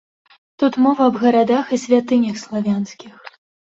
Тут мова аб гарадах і святынях славянскіх.